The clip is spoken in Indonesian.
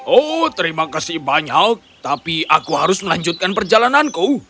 oh terima kasih banyak tapi aku harus melanjutkan perjalananku